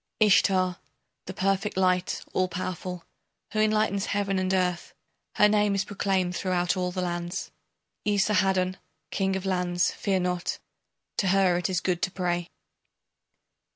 Ishtar, the perfect light, all powerful, Who enlightens Heaven and earth, Her name is proclaimed throughout all the lands, Esarhaddon, king of lands, fear not. To her it is good to pray.